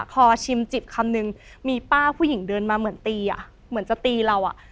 พอชิมจิบคำนึงมีป้าผู้หญิงเดินมาเหมือนตีอ่ะเหมือนจะตีเราอ่ะ